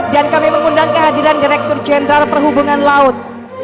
kami mengundang kehadiran direktur jenderal perhubungan laut